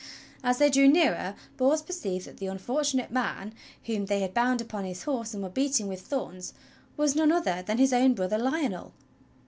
As they drew nearer Bors perceived that the unfortunate man, whom they had bound upon his horse and were beating with thorns, was none other than his own brother Lionel.